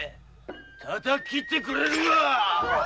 たたき斬ってくれるわ！